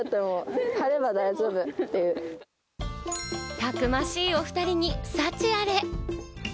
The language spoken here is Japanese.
たくましい、お２人に幸あれ！